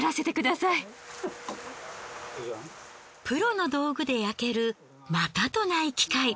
プロの道具で焼けるまたとない機会。